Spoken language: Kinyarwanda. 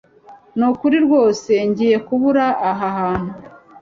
nukuri rwose ngiye kubura aha hantu